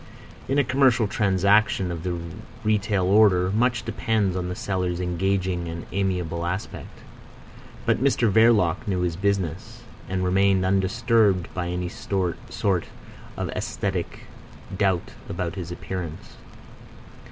In a commercial transaction of the retail order much depends on the seller's engaging and amiable aspect. But Mr Verloc knew his business, and remained undisturbed by any sort of æsthetic doubt about his appearance.